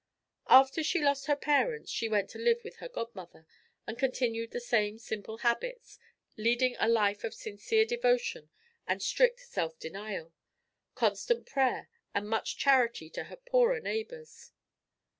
After she lost her parents she went to live with her godmother, and continued the same simple habits, leading a life of sincere devotion and strict self denial, constant prayer and much charity to her poorer neighbors.